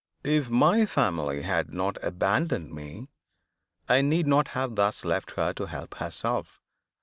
If my family had not abandoned me, I need not have thus left her to help herself.